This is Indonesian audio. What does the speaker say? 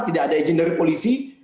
tidak ada izin dari polisi